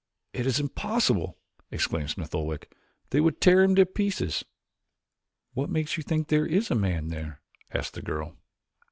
"It is impossible!" exclaimed Smith Oldwick. "They would tear him to pieces." "What makes you think there is a man there?" asked the girl.